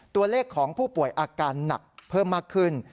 ตัวเลขของผู้ป่วยอาการหนักเพิ่มมากขึ้น